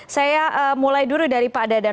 saya mulai dulu dari pak dadan